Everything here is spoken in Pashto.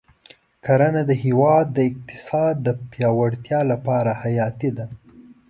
کرنه د هېواد د اقتصاد د پیاوړتیا لپاره حیاتي ده.